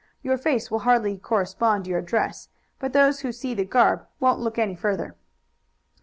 Your face will hardly correspond to your dress, but those who see the garb won't look any further."